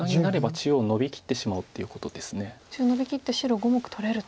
中央ノビきって白５目取れると。